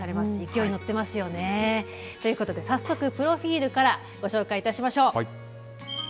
勢い乗ってますよね。ということで、早速、プロフィールからご紹介いたしましょう。